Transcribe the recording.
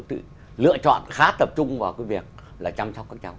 tự lựa chọn khá tập trung vào cái việc là chăm sóc các cháu